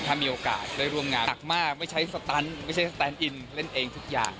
ถ้ามีโอกาสได้ร่วมงานหนักมากไม่ใช้สตันไม่ใช่สแตนอินเล่นเองทุกอย่าง